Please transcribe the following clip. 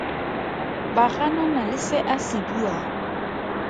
Ba ganana le se a se buang.